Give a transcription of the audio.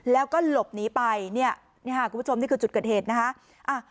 แล้วก็หลบหนีไปเนี่ยนี่ค่ะคุณผู้ชมนี่คือจุดเกิดเหตุนะคะ